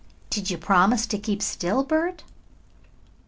"Did you promise to keep still, Bert?"